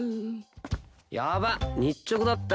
やばっ日直だった。